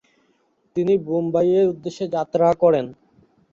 তিনি বোম্বাইয়ের উদ্দেশ্যে যাত্রা করেন।